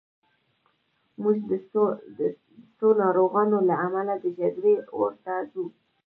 موږ د څو ناروغانو له امله د جګړې اور ته ځو